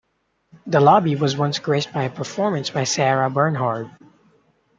The lobby was once graced by a performance by Sarah Bernhardt.